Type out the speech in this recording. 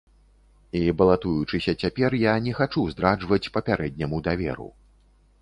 І балатуючыся цяпер, я не хачу здраджваць папярэдняму даверу.